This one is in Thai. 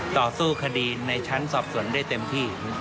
ต่อสู้คดีในชั้นสอบสวนได้เต็มที่